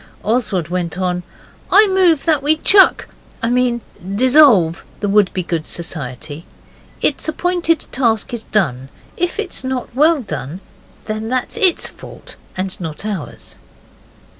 Oswald went on: 'I move that we chuck I mean dissolve the Wouldbegoods Society; its appointed task is done. If it's not well done, that's ITS fault and not ours.